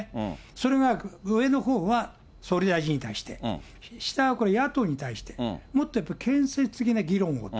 それが上のほうは総理大臣に対して、下はこれ、野党に対して、もっとやっぱり建設的な議論をと。